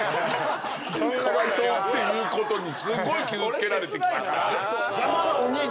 あ！っていうことにすっごい傷つけられてきたから。